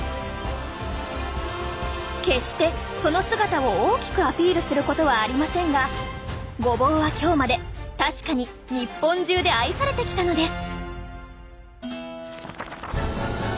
決してその姿を大きくアピールすることはありませんがごぼうは今日まで確かに日本中で愛されてきたのです。